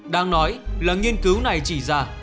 đang nói là nghiên cứu này chỉ ra